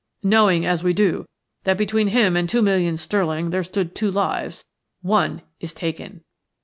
Knowing, as we do, that between him and two million sterling there stood two lives – one is taken!"